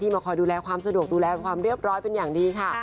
มาคอยดูแลความสะดวกดูแลความเรียบร้อยเป็นอย่างดีค่ะ